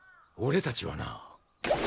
俺たちはな